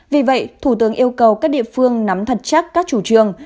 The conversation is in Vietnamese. vì vậy thủ tướng yêu cầu các địa phương nắm thật chắc các chủ trương